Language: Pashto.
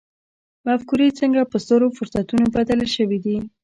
مفکورې څنګه په سترو فرصتونو بدلې شوې دي.